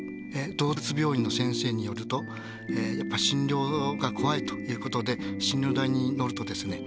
動物病院の先生によるとやっぱり診療が怖いということで診療台に乗るとですねね